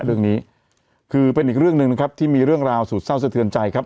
เรื่องนี้คือเป็นอีกเรื่องหนึ่งนะครับที่มีเรื่องราวสุดเศร้าสะเทือนใจครับ